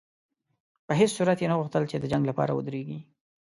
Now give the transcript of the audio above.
په هېڅ صورت یې نه غوښتل چې د جنګ لپاره ودرېږي.